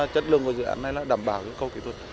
chất lượng của dự án này là đảm bảo yêu cầu kỹ thuật